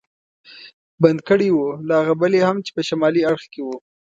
بند کړی و، له هغه بل یې هم چې په شمالي اړخ کې و.